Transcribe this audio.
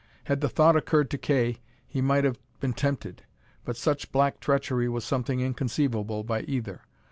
Had the thought occurred to Kay, he might have been tempted. But such black treachery was something inconceivable by either.